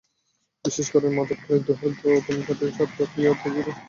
বিশেষ করে মাধবখালি, দোহার, গৌতমকাটি, সাতপাখিয়া, তেঘরিয়া, বিটেরচক এলাকায় বাঁধের অবস্থা নাজুক।